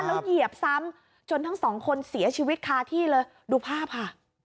แล้วเหยียบซ้ำจนทั้งสองคนเสียชีวิตคาที่เลยดูภาพค่ะ